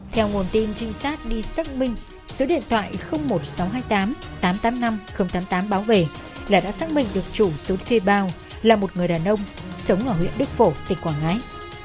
theo nguồn tin trinh sát đi xác minh số điện thoại một nghìn sáu trăm hai mươi tám tám trăm tám mươi năm tám mươi tám báo về là đã xác minh được chủ số thuê bao là một người đàn ông sống ở huyện đức phổ tỉnh quảng ngãi